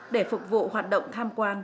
để phục vụ hoạt động tham quan